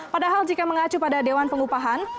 padahal jika mengacu pada dewan pengupahan